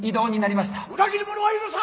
裏切り者は許さん！